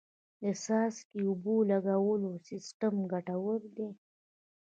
د څاڅکي اوبو لګولو سیستم ګټور دی.